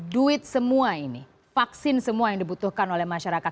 duit semua ini vaksin semua yang dibutuhkan oleh masyarakat